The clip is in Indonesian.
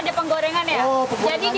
dengan cara seperti ini